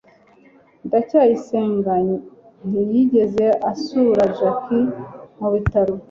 ndacyayisenga ntiyigeze asura jaki mu bitaro